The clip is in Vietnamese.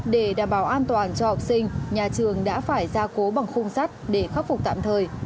để đảm bảo an toàn cho học sinh nhà trường đã phải ra cố bằng khung sắt để khắc phục tạm thời